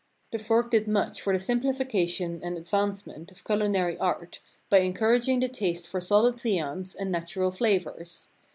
The fork did much for the simplification and ad vancement of culinary art by encouraging the taste for [2 3 ] for solid viands and natural flavors.